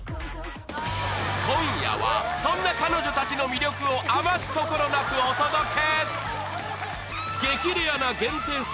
今夜はそんな彼女たちの魅力を余すところなくお届け！